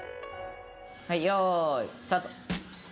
はいよいスタート！